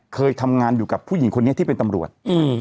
เคยทำงานอยู่กับผู้หญิงคนนี้ที่เป็นตำรวจ